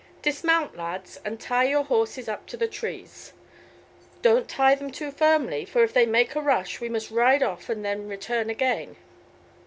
Dismount, lads, and tie your horses up to the trees. Don't tie them too firmly, for if they make a rush we must ride off and then return again.